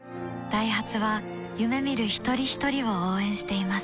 ダイハツは夢見る一人ひとりを応援しています